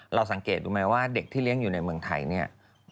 เราสังเกตรู้ไหมว่าเด็กที่เลี้ยงอยู่ในเมืองไทยเนี่ย